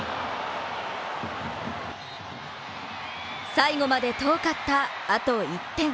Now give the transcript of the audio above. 最後まで遠かった、あと１点。